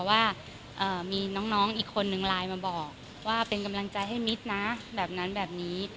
ว่ามีน้องอีกคนนึงไลน์มาบอกว่าเป็นกำลังใจให้มิดนะแบบนั้นแบบนี้